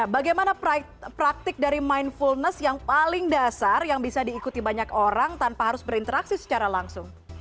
bagaimana praktik dari mindfulness yang paling dasar yang bisa diikuti banyak orang tanpa harus berinteraksi secara langsung